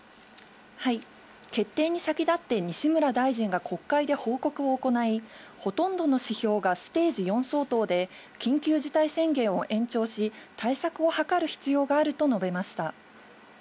決定に先立って、西村大臣が国会で報告を行い、ほとんどの指標がステージ４相当で、緊急事態宣言を延長し、対策を図る必要があると述べました。